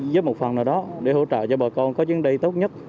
giúp một phần nào đó để hỗ trợ cho bà con có chuyến đầy tốt nhất